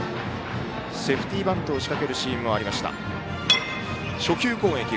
セーフティーバントを仕掛けるシーンもありました。